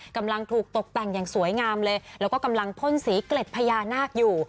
กำลังถูกตกแต่งอย่างสวยงามเลยแล้วก็กำลังพ่นสีเกล็ดพญานาคอยู่